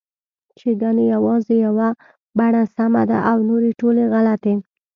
چې ګنې یوازې یوه بڼه سمه ده او نورې ټولې غلطې